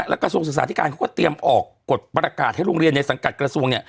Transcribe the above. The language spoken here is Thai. และกระทรวงศึกษาธิการเขาก็เตรียมออกกฎประกาศให้โรงเรียนในสังกัดกระทรวงเนี่ย